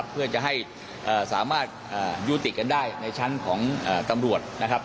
เพื่อจะให้สามารถยุติกันได้ในชั้นของตำรวจนะครับ